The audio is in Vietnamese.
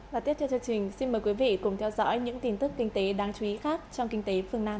và tiếp theo chương trình xin mời quý vị cùng theo dõi những tin tức kinh tế đáng chú ý khác trong kinh tế phương nam